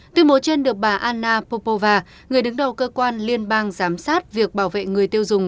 tuyên bố trên được bà anna popova người đứng đầu cơ quan liên bang giám sát việc bảo vệ người tiêu dùng